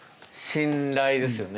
信頼ですよね。